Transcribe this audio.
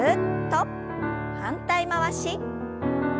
反対回し。